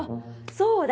そうだ！